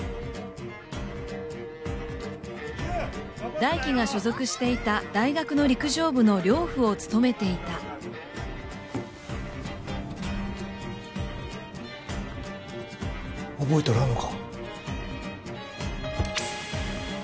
大輝が所属していた大学の陸上部の寮夫を務めていた覚えとらんのか？